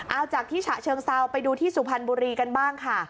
เอาจากที่ฉะเชิงเซาไปดูที่สุพรรณบุรีกันบ้างค่ะ